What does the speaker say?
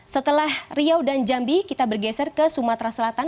setelah riau dan jambi kita bergeser ke sumatera selatan